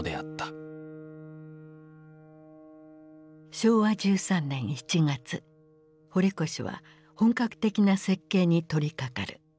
昭和１３年１月堀越は本格的な設計に取りかかる。